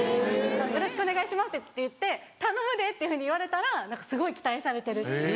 よろしくお願いしますって言って「頼むで」って言われたらすごい期待されてるって。